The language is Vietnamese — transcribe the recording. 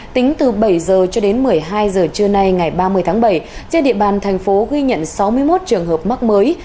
tính từ bảy h cho đến một mươi hai giờ trưa nay ngày ba mươi tháng bảy trên địa bàn thành phố ghi nhận sáu mươi một trường hợp mắc mới